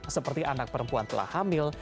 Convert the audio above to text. seperti anak perempuan telah hamil